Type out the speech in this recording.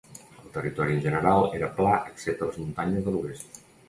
El territori en general era pla excepte les muntanyes de l'oest.